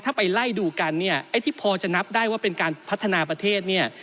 ถ้าไปไล่ดูกันเนี่ยไอ้ที่พอจะนับได้ว่าเป็นการพัฒนาประเทศเนี่ย